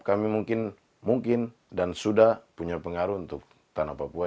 kami mungkin dan sudah punya pengaruh untuk tanah papua